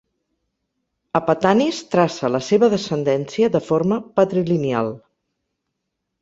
Apatanis traça la seva descendència de forma patrilineal.